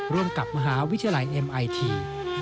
ร่วมกับมหาวิทยาลัยเอ็มไอที